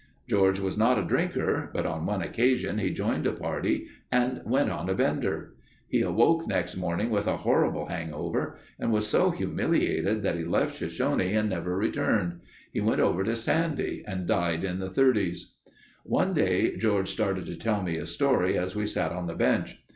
George was not a drinker, but on one occasion he joined a party and went on a bender. He awoke next morning with a horrible hangover and was so humiliated that he left Shoshone and never returned. He went over to Sandy and died in the '30s. One day George started to tell me a story as we sat on the bench.